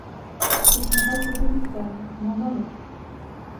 C'est une race de petite taille, moins d'un mètre.